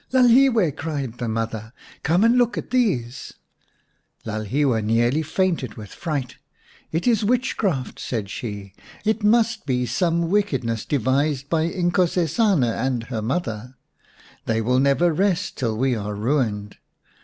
" Lalhiwe !" cried the mother, " come and look at these !" Lalhiwe nearly fainted with fright. "It is witchcraft," said she, " it must be some wicked 140 xii Baboon Skins ness devised by Inkosesana and her mother. They will never rest till we are ruined.